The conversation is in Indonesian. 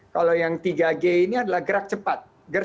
kalau yang tiga g ini adalah gerak cepat